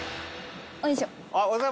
よいしょ。